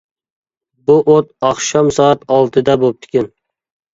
بۇ ئوت ئاخشام سائەت ئالتىدە بوپتىكەن!